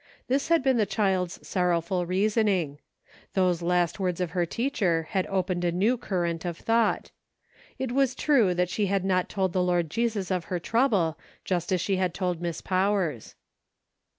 This had been the child's sorrowful reasoning. Those last words of her teacher had opened a new cur " I WILL. 93 rent of thought. It was true that she had not told the Lord Jesus of her trouble, just as she had told Miss Powers.